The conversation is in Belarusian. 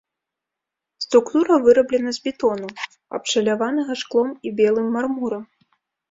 Структура выраблена з бетону, абшаляванага шклом і белым мармурам.